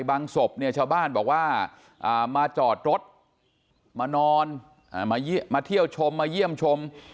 ศพเนี่ยชาวบ้านบอกว่ามาจอดรถมานอนมาเที่ยวชมมาเยี่ยมชม